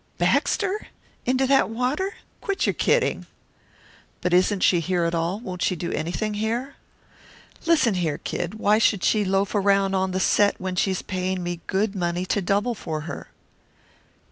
"Baxter? Into that water? Quit your kidding!" "But isn't she here at all won't she do anything here?" "Listen here, Kid; why should she loaf around on the set when she's paying me good money to double for her?"